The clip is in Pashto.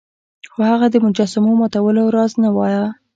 خو هغه د مجسمو ماتولو راز نه وایه.